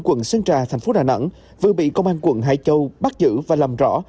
quận sơn trà thành phố đà nẵng vừa bị công an quận hải châu bắt giữ và làm rõ